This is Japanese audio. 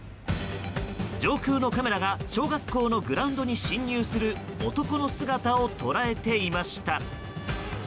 上空のカメラが小学校のグラウンドに侵入する男の姿を捉えていました。